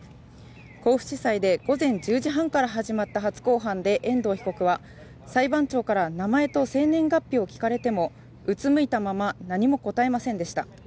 甲府地裁で午前１０時半から始まった初公判で遠藤被告は裁判長から名前と生年月日を聞かれてもうつむいたまま何も答えませんでした。